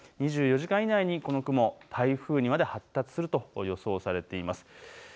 ２４時間以内にこの雲、台風にまで発達すると予想されています。